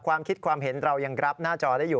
ความคิดความเห็นเรายังรับหน้าจอได้อยู่